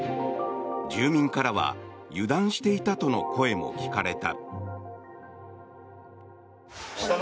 住民からは油断していたとの声も聞かれた。